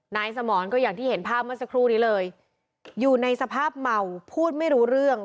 นายสมรก็อย่างที่เห็นภาพเมื่อสักครู่นี้เลยอยู่ในสภาพเมาพูดไม่รู้เรื่อง